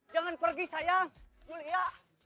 jangan pergi sayang julia